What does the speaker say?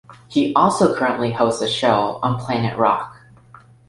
He also currently hosts a show on Planet Rock.